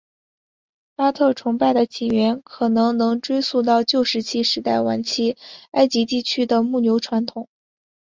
巴特崇拜的起源可能能追溯到旧石器时代晚期埃及地区的牧牛传统。